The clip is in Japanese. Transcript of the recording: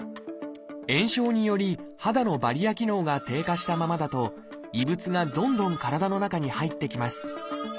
炎症により肌のバリア機能が低下したままだと異物がどんどん体の中に入ってきます。